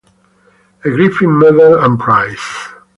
A. Griffith Medal and Prize.